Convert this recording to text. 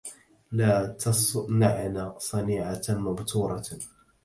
لا تصنعن صنيعة مبتورة